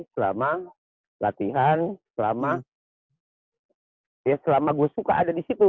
selama latihan selama ya selama gue suka ada di situ